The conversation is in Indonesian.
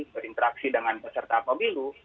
berinteraksi dengan peserta pemilu